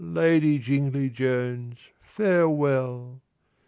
"Lady Jingly Jones, farewell!"